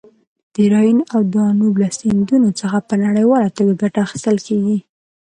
د راین او دانوب له سیندونو څخه په نړیواله ټوګه ګټه اخیستل کیږي.